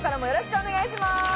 よろしくお願いします。